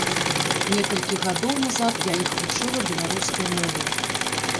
Некалькі гадоў назад я іх вучыла беларускай мове.